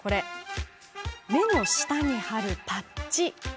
目の下に貼るパッチ。